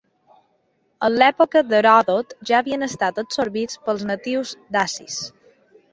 En l'època d'Heròdot ja havien estat absorbits pels natius dacis.